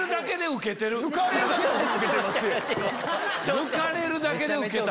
抜かれるだけでウケた。